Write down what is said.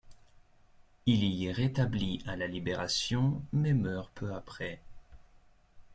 Il y est rétabli à la Libération mais meurt peu après.